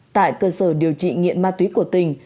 tại cơ sở điều trị nghiện ma túy của tỉnh